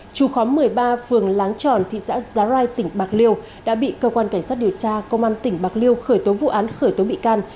trù khóm một mươi ba phường láng tròn thị xã giá rai tỉnh bạc liêu đã bị cơ quan cảnh sát điều tra công an tỉnh bạc liêu khởi tố vụ án khởi tố bị can